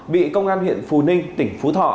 bị công an huyện phù ninh tỉnh phú thọ